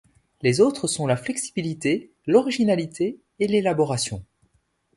Les autres sont la flexibilité, l’originalité et l’élaboration.